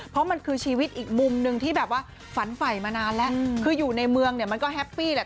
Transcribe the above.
เพราะมันคือชีวิตอีกมุมหนึ่งที่แบบว่าฝันไฝมานานแล้วคืออยู่ในเมืองเนี่ยมันก็แฮปปี้แหละ